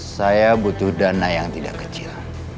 saya butuh dana yang tidak kecil